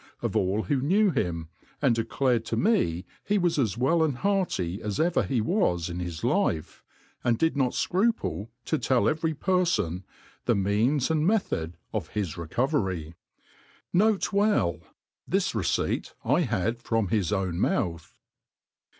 of all who knew him, and declared to me he was as well and hearty as ever he was in his life, and did p,o^ fcruple to tell every perfon the means and method of his recovery. N. B.'This receipt 1 had from his own mouth.